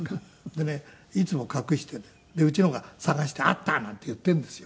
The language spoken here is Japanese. でねいつも隠していてうちのが探して「あった！」なんて言っているんですよ。